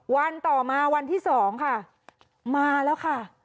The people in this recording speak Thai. วันต่อมาวันที่๒ค่ะมาแล้วค่ะ